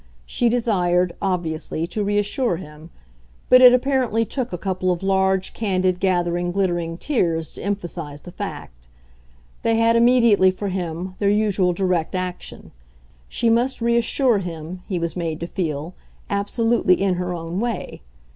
She desired, obviously, to reassure him, but it apparently took a couple of large, candid, gathering, glittering tears to emphasise the fact. They had immediately, for him, their usual direct action: she must reassure him, he was made to feel, absolutely in her own way.